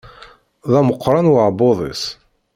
D ameqqran uɛebbuḍ-is.